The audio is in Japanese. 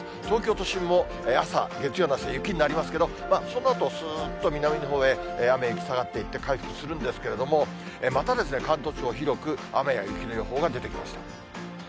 東京都心も朝、月曜の朝、雪になりますけど、そのあと、すーっと南のほうへ、雨、雪下がっていって、回復するんですけれども、また関東地方、広く雨や雪の予報が出てきました。